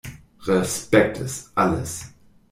Respekt ist alles.